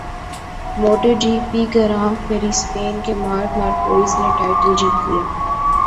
motto G P grand prix Spain کے Marc Marquez نےٹائٹل جیت لیا